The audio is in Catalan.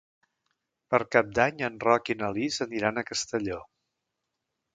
Per Cap d'Any en Roc i na Lis aniran a Castelló.